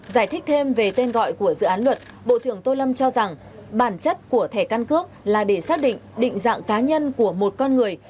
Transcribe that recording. giải thích thêm về tên gọi của dự án luật bộ trưởng tô lâm cho rằng bản chất của thẻ căn cước là để xác định định dạng cá nhân của một con người